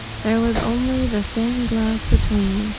There was only the thin glass between.